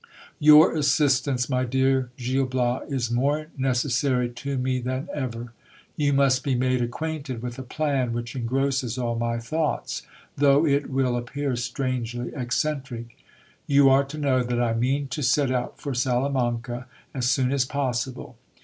Your assistance, my dear Gil Bias, is more necessary to me than ever. You must be made acquainted with a plan which engrosses all my thoughts, though it will appear strangely eccentric. You are to know that I mean to set ou: for Salamanca as soon as possible.